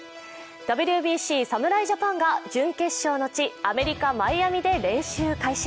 ＷＢＣ侍ジャパンが準決勝の地アメリカ・マイアミで練習開始。